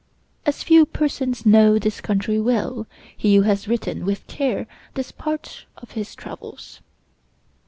As few persons know this country well, he has written with care this part of his travels.